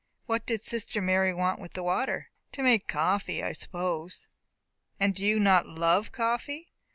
"What did sister Mary want with the water?" "To make coffee, I suppose." "And do you not love coffee?"